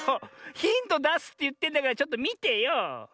ヒントだすっていってんだからちょっとみてよ。